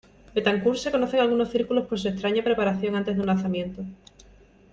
Betancourt se conoce en algunos círculos por su extraña preparación antes de un lanzamiento.